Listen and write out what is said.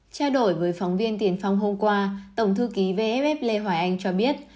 trao đổi với phóng viên tiền phong hôm qua tổng thư ký vff lê hoài anh cho biết